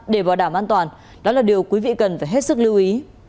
để bảo đảm an toàn đó là điều quý vị cần phải hết sức lưu ý